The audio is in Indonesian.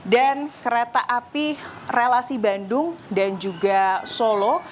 dan kereta api relasi bandung dan juga solo